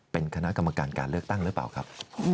เป็นคณะกรรมการการเลือกตั้งหรือเปล่าครับ